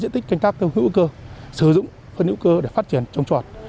tích canh tác theo hữu cơ sử dụng phân hữu cơ để phát triển trồng tròn